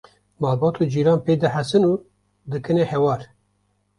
malbat û cîran pê dihesin û dikine hewar